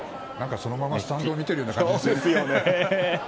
そのままスタンドを見ているような感じですね。